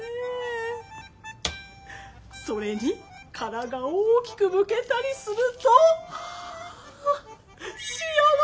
それに殻が大きくむけたりするとあ幸せ。